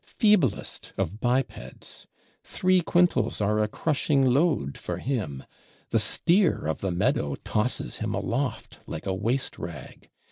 Feeblest of bipeds! Three quintals are a crushing load for him; the steer of the meadow tosses him aloft, like a waste rag.